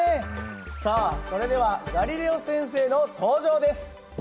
さあそれではガリレオ先生の登場です！